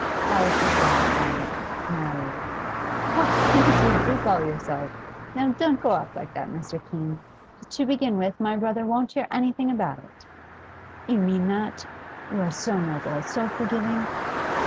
Alice's laugh rang merrily. 'What things you do call yourself! Now, don't go off like that, Mr. Keene. To begin with, my brother won't hear anything about it ' 'You mean that? You are so noble, so forgiving?